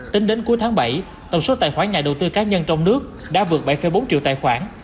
tính đến cuối tháng bảy tổng số tài khoản nhà đầu tư cá nhân trong nước đã vượt bảy bốn triệu tài khoản